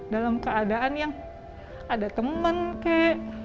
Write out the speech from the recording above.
dalam keadaan yang ada temen kek